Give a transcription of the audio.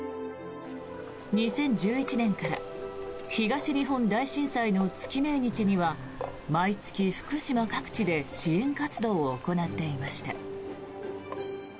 ２０１１年から東日本大震災の月命日には毎月、福島各地で支援活動を行っていました。